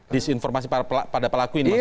disinformasi pada pelaku ini maksudnya